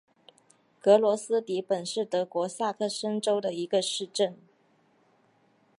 格罗斯迪本是德国萨克森州的一个市镇。